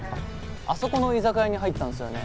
あそこの居酒屋に入ったんすよね。